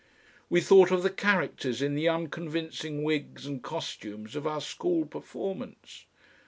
We thought of the characters in the unconvincing wigs and costumes of our school performance.